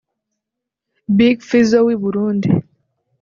Big Fizzo w’i Burundi